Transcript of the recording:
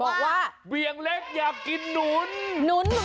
มาครั้งนี้มันจะมากินกินขนุนครับ